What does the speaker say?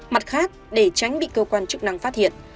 mặt khác để tránh bị cơ quan chức năng phát hiện